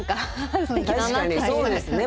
確かにそうですね